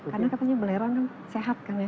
karena katanya belerang kan sehat kan ya